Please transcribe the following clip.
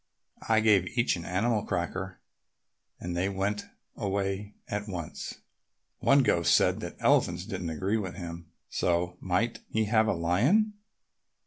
I gave each an animal cracker and they went away at once. One ghost said that elephants didn't agree with him, so might he have a lion."